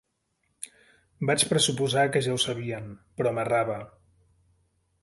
Vaig pressuposar que ja ho sabien, però m'errava.